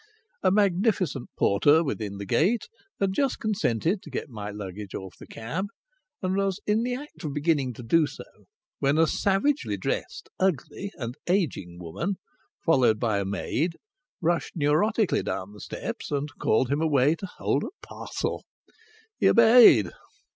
A magnificent porter within the gate had just consented to get my luggage off the cab, and was in the act of beginning to do so, when a savagely dressed, ugly and ageing woman, followed by a maid, rushed neurotically down the steps and called him away to hold a parcel. He obeyed!